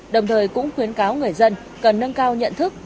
đồng thời cũng khuyến cáo người dân cần nâng cao nhận thức